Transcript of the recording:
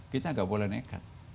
kita nggak boleh nekat